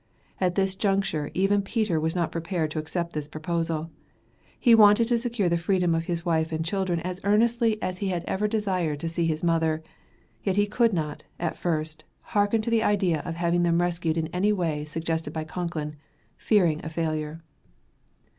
At this juncture even Peter was not prepared to accept this proposal. He wanted to secure the freedom of his wife and children as earnestly as he had ever desired to see his mother, yet he could not, at first, hearken to the idea of having them rescued in the way suggested by Concklin, fearing a failure.